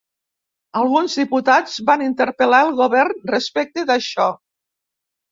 Alguns diputats van interpel·lar el govern respecte d'això.